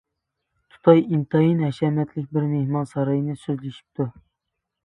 تۇتاي ئىنتايىن ھەشەمەتلىك بىر مېھمانساراينى سۆزلىشىپتۇ.